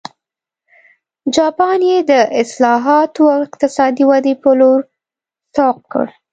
جاپان یې د اصلاحاتو او اقتصادي ودې په لور سوق کړ.